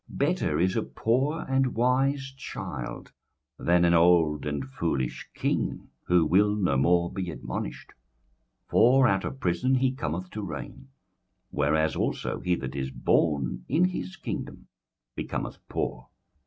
21:004:013 Better is a poor and a wise child than an old and foolish king, who will no more be admonished. 21:004:014 For out of prison he cometh to reign; whereas also he that is born in his kingdom becometh poor.